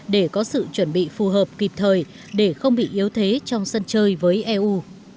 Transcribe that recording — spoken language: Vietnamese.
để có sự chuẩn bị phù hợp kịp thời để không bị yếu thế trong sân chơi với eu